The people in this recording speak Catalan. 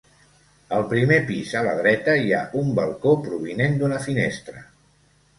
Al primer pis a la dreta hi ha un balcó provinent d'una finestra.